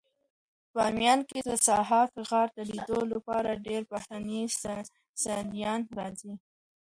بامیان کې د ضحاک ښار د لیدلو لپاره ډېر بهرني سېلانیان راځي.